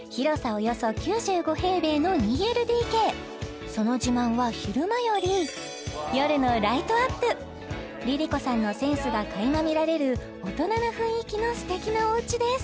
およそ９５平米の２ＬＤＫその自慢は昼間より夜のライトアップＬｉＬｉＣｏさんのセンスがかいま見られる大人な雰囲気のすてきなおうちです